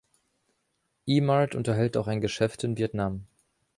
Emart unterhält auch ein Geschäft in Vietnam.